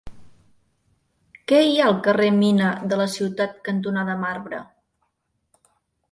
Què hi ha al carrer Mina de la Ciutat cantonada Marbre?